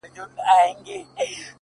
o د فکرونه، ټوله مزخرف دي،